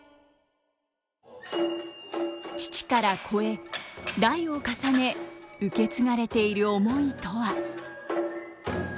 父から子へ代を重ね受け継がれている思いとは。